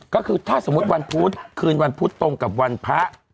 ก็คือถ้าสมมุติวันพุธคืนวันพุธตรงกับวันพระ